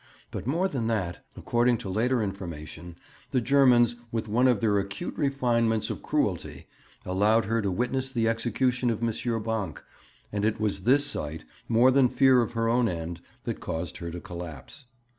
But more than that, according to later information, the Germans, with one of their acute refinements of cruelty, allowed her to witness the execution of M. Bancq, and it was this sight, more than fear of her own end, that caused her to collapse.